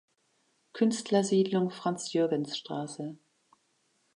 Künstlersiedlung Franz-Jürgens-Straße.